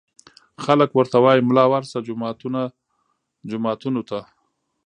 خلک ورته وايي ملا ورشه جوماتونو ته